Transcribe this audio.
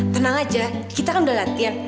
tenang aja kita kan udah latihan